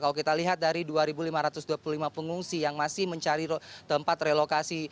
kalau kita lihat dari dua lima ratus dua puluh lima pengungsi yang masih mencari tempat relokasi